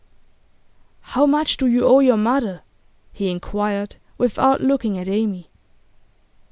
'How much do you owe your mother?' he inquired, without looking at Amy.